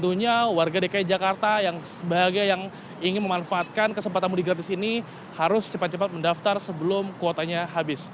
tentunya warga dki jakarta yang bahagia yang ingin memanfaatkan kesempatan mudik gratis ini harus cepat cepat mendaftar sebelum kuotanya habis